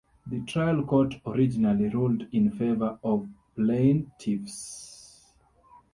The trial court originally ruled in favor of the plaintiffs.